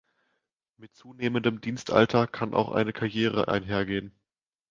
Mit zunehmendem Dienstalter kann auch eine Karriere einhergehen.